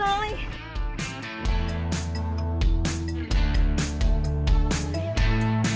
หิวตั้งแต่วิ่งตามแล้วค่ะ